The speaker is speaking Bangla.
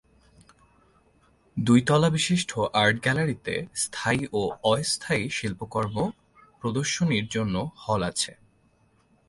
দুই তলাবিশিষ্ট আর্টগ্যালারিতে স্থায়ী ও অস্থায়ীভাবে শিল্পকর্ম প্রদর্শনীর জন্য হল আছে।